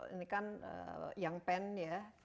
ini kan yang pen ya